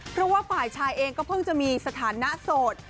เพราะว่าฝ่ายชายเองก็เพิ่งจะมีสถานะโสด